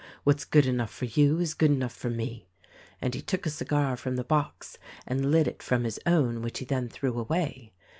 What's good enough for you is good enough for me," and he took a cigar from the box and lit it from his own which he then threw away.